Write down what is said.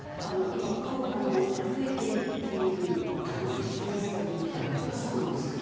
今コロナになって増えているっていう話を聞きますけれどもそれはそうなんですか？